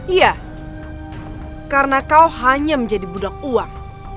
iya karena kau hanya menjadi budak uang